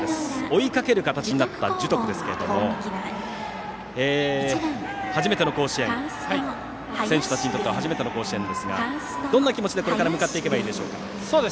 追いかける形になった樹徳ですが選手たちにとっては初めての甲子園ですがどんな気持ちでこれから向かっていけばいいでしょうか。